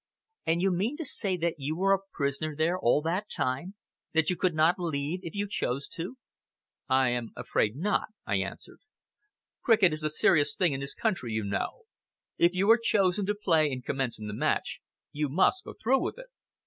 "And you mean to say that you are a prisoner there all that time that you could not leave if you chose to?" "I am afraid not," I answered. "Cricket is a serious thing in this country, you know. If you are chosen to play and commence in the match, you must go through with it.